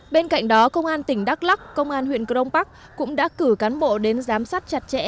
bên cạnh đó công an tỉnh đắk lắc công an huyện crong park cũng đã cử cán bộ đến giám sát chặt chẽ